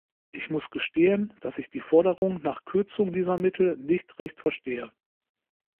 Ich muss gestehen, dass ich die Forderung nach Kürzung dieser Mittel nicht recht verstehe.